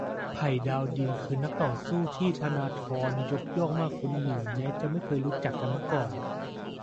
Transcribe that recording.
ไผ่ดาวดิน คือนักต่อสู้ที่ธนาธรยกย่องมากคนหนึ่ง แม้จะไม่เคยรู้จักกันมาก่อน